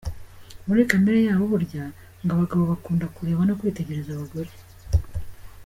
Muri kamere yabo burya, ngo abagabo bakunda kureba no kwitegereza abagore.